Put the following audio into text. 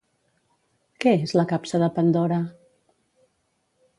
Què és la capsa de Pandora?